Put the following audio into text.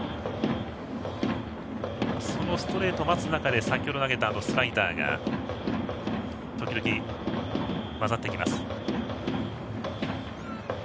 そのストレートを待つ中で先ほど投げたスライダーが時々交ざってきます。